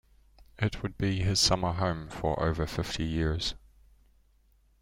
It would be his summer home for over fifty years.